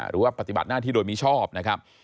หรือว่าปฏิบัติหน้าที่โดยมิชอบนะครับ